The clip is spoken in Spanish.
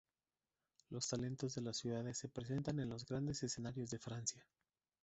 Los talentos de las ciudades se presentan en los grandes escenarios de Francia.